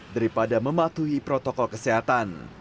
daripada mematuhi protokol kesehatan